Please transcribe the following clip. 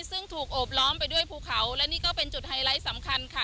ซึ่งถูกโอบล้อมไปด้วยภูเขาและนี่ก็เป็นจุดไฮไลท์สำคัญค่ะ